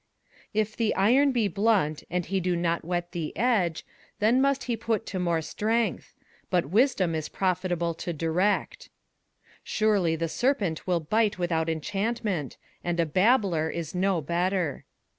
21:010:010 If the iron be blunt, and he do not whet the edge, then must he put to more strength: but wisdom is profitable to direct. 21:010:011 Surely the serpent will bite without enchantment; and a babbler is no better.